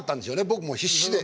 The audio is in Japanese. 僕も必死で。